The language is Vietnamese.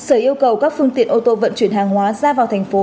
sở yêu cầu các phương tiện ô tô vận chuyển hàng hóa ra vào thành phố